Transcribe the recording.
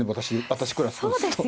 私クラスですと。